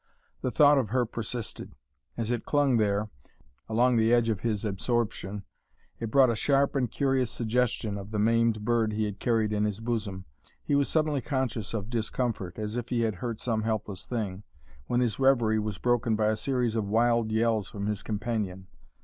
The thought of her persisted; as it clung there, along the edge of his absorption, it brought a sharp and curious suggestion of the maimed bird he had carried in his bosom. He was suddenly conscious of discomfort, as if he had hurt some helpless thing, when his reverie was broken by a series of wild yells from his companion.